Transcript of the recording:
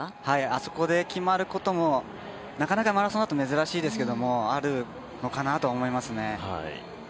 あそこで決まることもなかなかマラソンだと珍しいですけどあるのかなと思いますね。